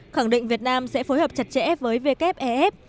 khẳng định việt nam sẽ phối hợp chặt chẽ với wef